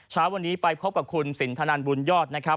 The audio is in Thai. เช้าวันนี้ไปพบกับคุณสินทนันบุญยอดนะครับ